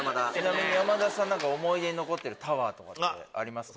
山田さん何か思い出に残ってるタワーとかってありますか？